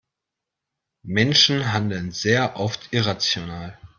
Menschen handeln sehr oft irrational.